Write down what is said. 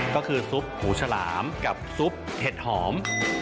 ก็คือซุปหูฉลามกับซุปเห็ดหอม